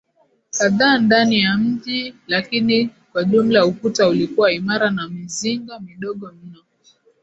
kadhaa ndani ya mji Lakini kwa jumla ukuta ulikuwa imara na mizinga midogo mno